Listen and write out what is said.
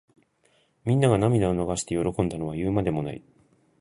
みんなが涙を流して喜んだのは言うまでもない。